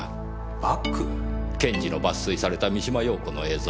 検事の抜粋された三島陽子の映像